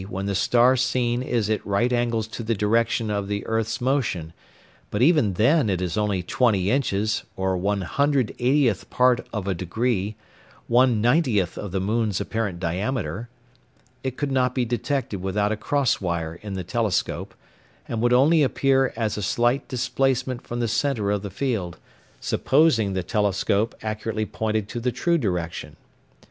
_ when the star seen is at right angles to the direction of the earth's motion, but even then it is only 20", or 1/180th part of a degree; one ninetieth of the moon's apparent diameter. It could not be detected without a cross wire in the telescope, and would only appear as a slight displacement from the centre of the field, supposing the telescope accurately pointed to the true direction.